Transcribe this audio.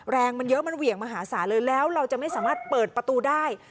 แรงมันเยอะมันเหวี่ยงมหาศาลเลยแล้วเราจะไม่สามารถเปิดประตูได้